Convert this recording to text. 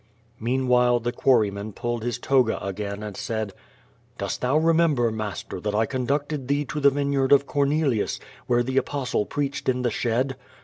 Meanwhile, the quarryman pulled his toga again and said: "Dost thou remember, master, that I conducted thee to the vineyard of Cornelius, where the A^H^stle preached in the shed?"